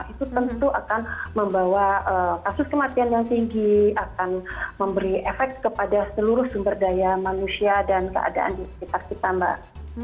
itu tentu akan membawa kasus kematian yang tinggi akan memberi efek kepada seluruh sumber daya manusia dan keadaan di sekitar kita mbak